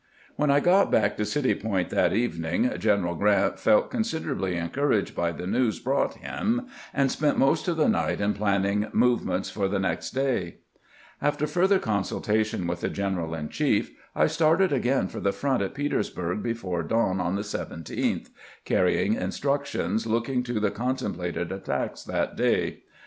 When I got back to City Point that evening General Grant felt considerably encouraged by the news brought him, and spent most of the night in planning move ments for the next day. LEE MYSTIFIED AS TO GBANT'S MOVEMENTS 207 After further consultation with the general in chief I started again for the front at Petersburg before dawn on the 17th, carrying instructions looking to the con templated attacks that day.